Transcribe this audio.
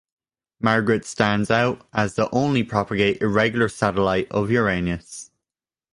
Margaret stands out as the only prograde irregular satellite of Uranus.